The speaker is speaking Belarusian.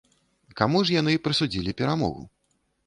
Каму ж яны прысудзілі перамогу?